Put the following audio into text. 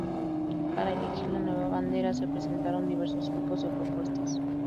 Para elegir la nueva bandera, se presentaron diversos grupos de propuestas.